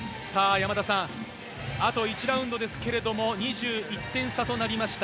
山田さん、あと１ラウンドですが２１点差となりました。